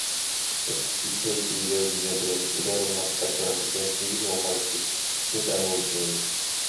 ეს დიფფეიქი ვიდეოები იმდენად რეალისტურია, რომ მათი გარჩევა ნამდვილისგან რიგითი მომხმარებლისთვის თითქმის წარმოუდგენელია.